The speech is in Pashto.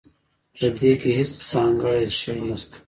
پدې کې هیڅ ځانګړی شی نشته